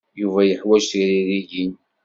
Yuba yeḥwaj tiririyin.